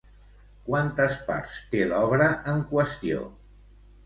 Quantes parts té l'obra en qüestió?